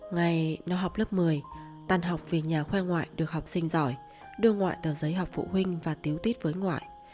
ngày nó học lớp một mươi tan học về nhà khoe ngoại được học sinh giỏi đưa ngoại tờ giấy học phụ huynh và tiểu tiết với ngoại